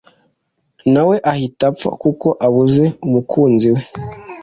nawe ahita apfa kuko abuze umukunzi we.